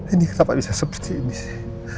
ini kenapa bisa seperti ini sih